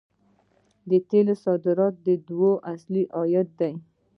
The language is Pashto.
د تیلو صادرات د دوی اصلي عاید دی.